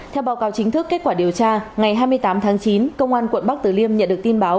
theo báo cáo chính thức kết quả điều tra ngày hai mươi tám tháng chín công an quận bắc tử liêm nhận được tin báo